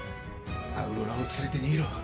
アウロラを連れて逃げろ。